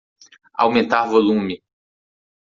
Aumentar volume